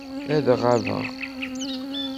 Ad ɣabeɣ.